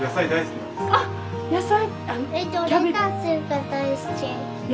あっ野菜。